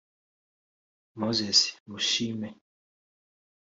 Moses Mushime